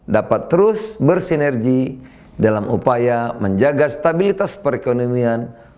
dapat terus bersinergi dalam upaya menjaga stabilitas perekonomian